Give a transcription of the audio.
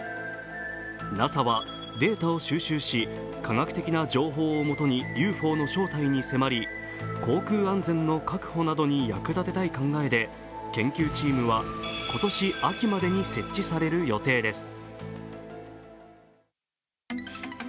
ＮＡＳＡはデータを収集し、科学的な情報を元にＵＦＯの正体に迫り、航空安全の確保などに役立てたい考えで研究チームは今年秋までに設置される予定です。